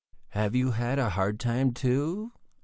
"Have you had a hard time, too?"